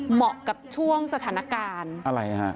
เหมาะกับช่วงสถานการณ์อะไรฮะ